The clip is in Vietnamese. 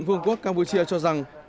vương quốc campuchia cho rằng